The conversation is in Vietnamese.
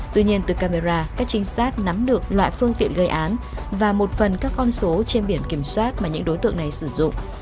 tuy nhiên từ camera các trinh sát nắm được loại phương tiện gây án và một phần các con số trên biển kiểm soát mà những đối tượng này sử dụng